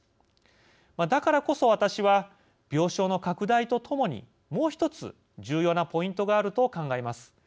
だからこそ、私は病床の拡大とともに、もう一つ重要なポイントがあると考えます。